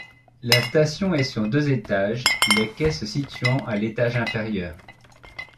La station est sur deux étages, les quais se situant à l'étage inférieur.